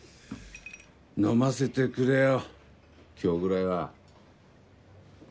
飲ませてくれよ今日ぐらいは。